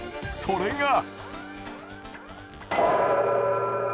それが。